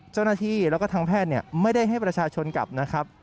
เจ้าหน้าที่แล้วก็ทางแพทย์ไม่ได้ให้ประชาชนกลับนะครับ